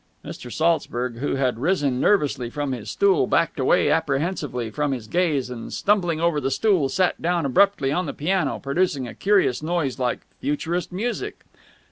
Mr. Saltzburg, who had risen nervously from his stool, backed away apprehensively from his gaze, and, stumbling over the stool, sat down abruptly on the piano, producing a curious noise like Futurist music.